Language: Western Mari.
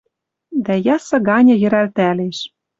Дӓ ясы ганьы йӹрӓлтӓлеш.